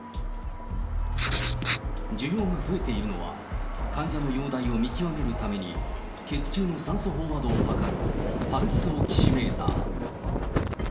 需要が増えているのは、患者の容態を見極めるために、血中の酸素飽和度を測るパルスオキシメーター。